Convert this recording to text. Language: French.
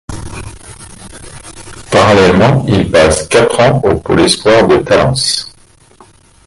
Parallèlement, il passe quatre ans au pôle espoirs de Talence.